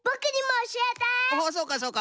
おおそうかそうか。